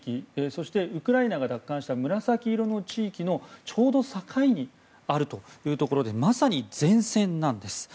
そしてウクライナが奪還した紫色の地域のちょうど境にあるところでまさに前線なんです。